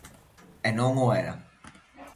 E non o era.